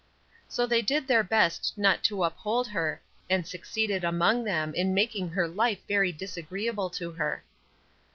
So they did their best not to uphold her, and succeeded among them in making her life very disagreeable to her.